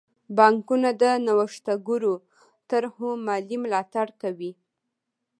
بانکونه د نوښتګرو طرحو مالي ملاتړ کوي.